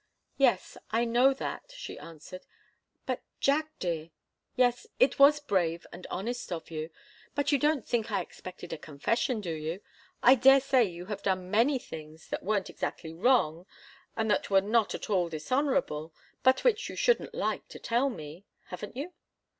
"Yes I know that," she answered. "But, Jack dear yes, it was brave and honest of you but you don't think I expected a confession, do you? I daresay you have done many things that weren't exactly wrong and that were not at all dishonourable, but which you shouldn't like to tell me. Haven't you?"